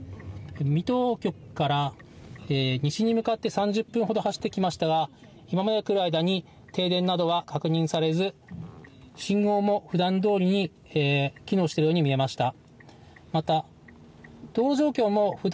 水戸局から西に向かって３０分ほど走ってきましたが停電などは確認されず信号もふだんどおりに機能しているように見えました。